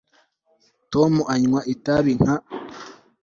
tom anywa itabi nka chimney